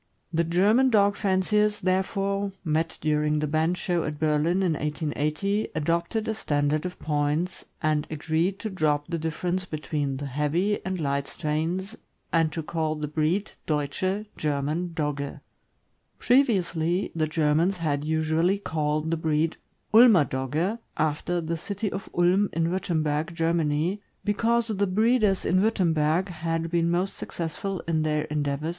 The German dog fanciers, therefore, met during the bench show at Berlin, in 1880, adopted a standard of points, and agreed to drop the dif ference between the heavy and light strains and to call the breed Deutsche (German) Dogge. Previously the Germans had usually called the breed Ulmer Dogge, after the City of Ulm, in Wurtemberg, Germany, because the breeders in Wurtemberg had been most successful in their endeavors 34 (529) 530 THE AMERICAN BOOK OF THE DOG.